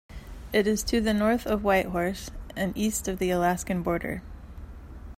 It is to the north of Whitehorse, and east of the Alaskan border.